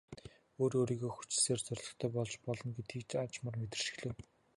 Өөрөө өөрийгөө хүчилснээр зорилготой болж болно гэдгийг аажмаар мэдэрч эхлэв.